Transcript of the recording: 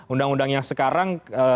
undang undang yang sekarang